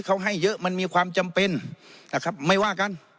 เขาให้เยอะมันมีความจำเป็นนะครับไม่ว่ากัน